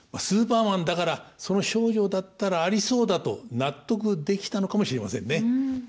スーパーマンだからその丞相だったらありそうだと納得できたのかもしれませんね。